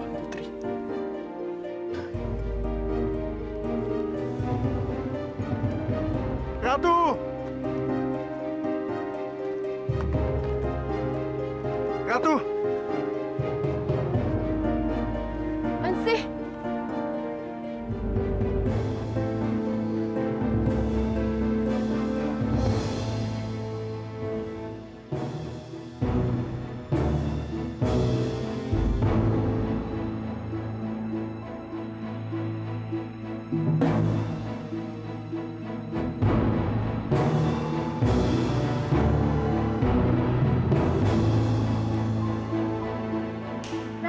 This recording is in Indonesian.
amat mengagum waktunya